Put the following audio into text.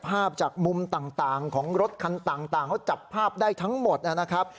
ภาพจากมุมต่างของรถคันต่างเขาจับภาพได้ทั้งหมดนะครับ